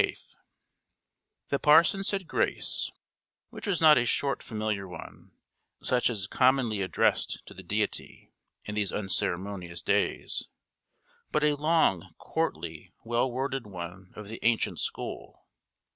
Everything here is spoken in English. The parson said grace, which was not a short familiar one, such as is commonly addressed to the Deity, in these unceremonious days; but a long, courtly, well worded one of the ancient school.